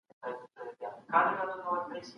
دا حديث امام بخاري په خپل صحیح کي نقل کړی دی